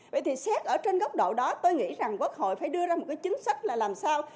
vậy thì xét ở trên góc độ đó tôi nghĩ rằng quốc hội phải đưa ra một cái chính sách là làm sao